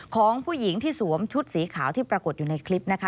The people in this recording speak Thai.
ของผู้หญิงที่สวมชุดสีขาวที่ปรากฏอยู่ในคลิปนะคะ